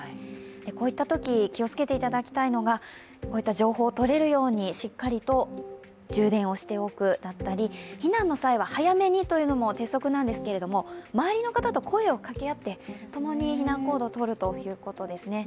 こういったとき、気をつけていただきたいのがこういった情報をとれるようにしっかりと充電をしておくだったり、避難の際は早めにというのも鉄則なんですけども、周りの方と声を掛け合って、ともに避難行動とるということですね。